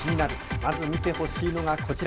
まず見てほしいのがこちら。